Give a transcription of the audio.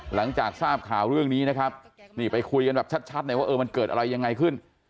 หลังจากทราบข่าวเรื่องนี้นะครับนี่ไปคุยกันแบบชัดหน่อยว่าเออมันเกิดอะไรยังไงขึ้น